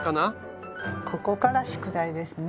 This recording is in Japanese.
ここから宿題ですね。